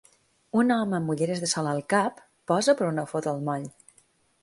Un home amb ulleres de sol al cap posa per a una foto al moll.